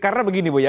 karena begini bu ya